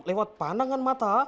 lewat pandangan mata